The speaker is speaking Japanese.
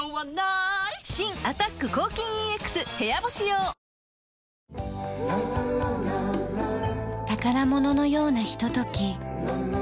新「アタック抗菌ＥＸ部屋干し用」宝物のようなひととき。